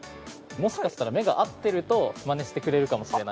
もしかしたら目が合ってるとまねしてくれるかもしれないです。